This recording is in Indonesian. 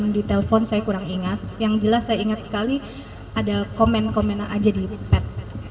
di telpon saya kurang ingat yang jelas saya ingat sekali ada komen komen aja dipad